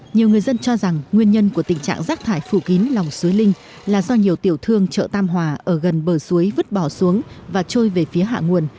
nhiều người dân cho rằng nguyên nhân của tình trạng rác thải phủ kín lòng suối linh là do nhiều tiểu thương chợ tam hòa ở gần bờ suối vứt bỏ xuống và trôi về phía hạ nguồn